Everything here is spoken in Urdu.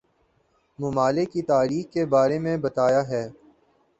ممالک کی تاریخ کے بارے میں بتایا ہے